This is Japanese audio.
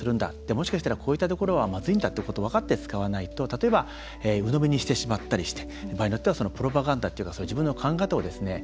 もしかしたらこういったところはまずいんだということを分かって使わないと、例えばうのみにしてしまったりして場合によってはプロパガンダっていうか自分の考え方をですね